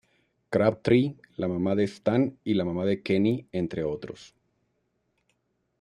Crabtree, la mamá de Stan y la mamá de Kenny, entre otros.